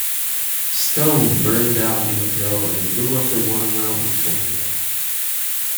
Stone burned down the hotel and blew up the water well before he left.